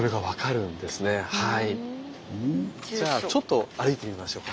じゃあちょっと歩いてみましょうか。